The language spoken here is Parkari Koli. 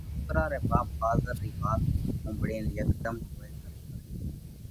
سوڪرا رئہ ٻاپ ڦازر رئِي وات ۿومۯينَ هيڪڌم هووَئہ ڪرئِي پرئِي